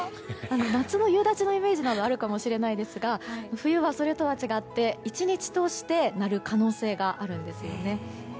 夏の夕立のイメージがあるかもしれませんが冬はそれとは違って１日通して鳴る可能性があるんですよね。